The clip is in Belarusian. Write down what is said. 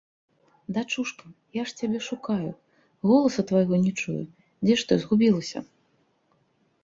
Дачушка, я ж цябе шукаю, голасу твайго не чую, дзе ж ты загубілася?